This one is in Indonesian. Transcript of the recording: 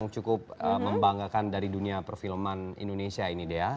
cukup membanggakan dari dunia perfilman indonesia ini dea